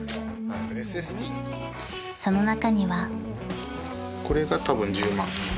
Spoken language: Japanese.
［その中には］え！